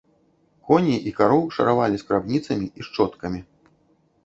Коней і кароў шаравалі скрабніцамі і шчоткамі.